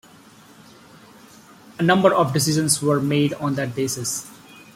A number of decisions were made on that basis.